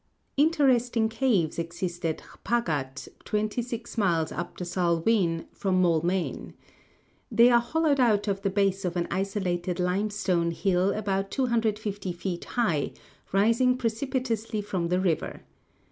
Interesting caves exist at Hpagat, twenty six miles up the Salween, from Moulmein. They are hollowed out in the base of an isolated limestone hill about 250 feet high, rising precipitously from the river.